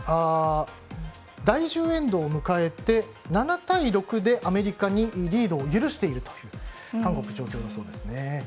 第１０エンドを迎えて７対６でアメリカにリードを許しているという状況の韓国だそうです。